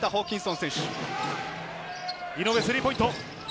井上、スリーポイント。